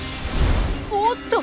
おっと！